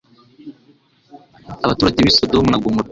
abaturage b’i Sodomu na Gomora.